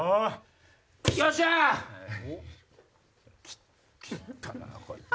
切ったなこいつ。